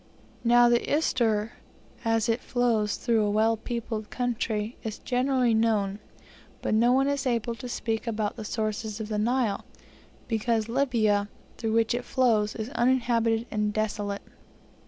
Now the Ister, as it flows through a well peopled country, is generally known; but no one is able to speak about the sources of the Nile, because Libya, through which it flows, is uninhabited and desolate.